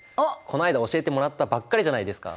こないだ教えてもらったばっかりじゃないですか。